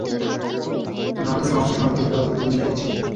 ধর, তোর সমস্ত সম্পত্তির কাগজপত্র নিয়ে এসেছি।